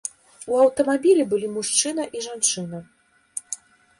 У аўтамабілі былі мужчына і жанчына.